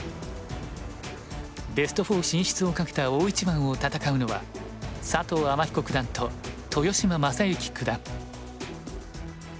ベスト４進出をかけた大一番を戦うのは佐藤天彦九段と豊島将之九段。